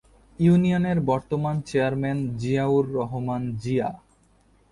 ইউনিয়নের বর্তমান চেয়ারম্যান জিয়াউর রহমান জিয়া।